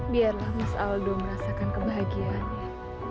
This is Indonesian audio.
biarlah mas aldo merasakan kebahagiaannya